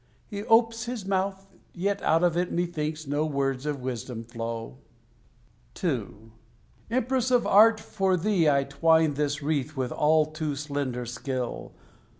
He opes his mouth yet out of it, methinks, No words of wisdom flow. II. Empress of Art, for thee I twine This wreath with all too slender skill.